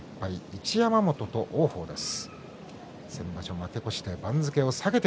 一山本と王鵬です。